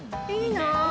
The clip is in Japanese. いいなぁ。